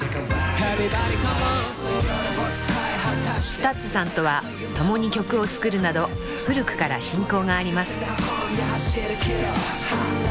［ＳＴＵＴＳさんとは共に曲を作るなど古くから親交があります］